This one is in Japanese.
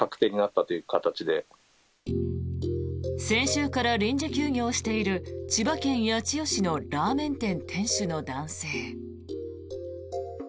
先週から臨時休業している千葉県八千代市のラーメン店店主の男性。